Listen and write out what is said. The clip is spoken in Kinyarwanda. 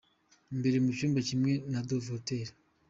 Imbere mu cyumba kimwe cya Dove Hotel.